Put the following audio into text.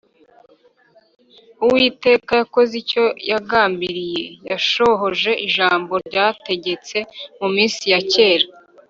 Uwiteka yakoze icyo yagambiriye, Yashohoje ijambo rye yategetse mu minsi ya kera.